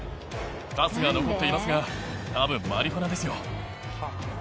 かすが残っていますが、たぶんマリファナですよ。